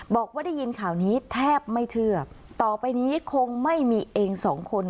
บอกว่าได้ยินข่าวนี้แทบไม่เชื่อต่อไปนี้คงไม่มีเองสองคน